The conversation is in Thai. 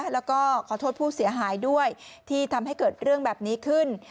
แล้วก็ขอโทษผู้เสียหายด้วยที่ทำให้เกิดเรื่องแบบนี้ขึ้น